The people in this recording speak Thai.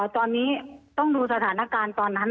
ตอนนี้ต้องดูสถานการณ์ตอนนั้น